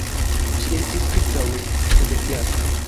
Ŝi estis ĉirkaŭe dudekjara.